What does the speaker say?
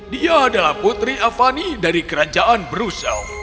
dia adalah putri avani dari kerajaan brussel